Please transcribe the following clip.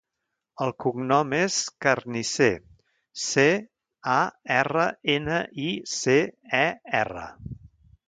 El cognom és Carnicer: ce, a, erra, ena, i, ce, e, erra.